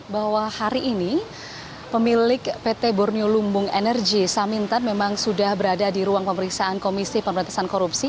bahwa hari ini pemilik pt borneo lumbung energi samintan memang sudah berada di ruang pemeriksaan komisi pemberantasan korupsi